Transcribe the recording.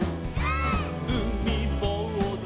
「うみぼうず」「」